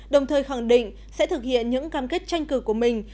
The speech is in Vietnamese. đồng thời khẳng định sẽ thực hiện những cam kết tranh cử của mình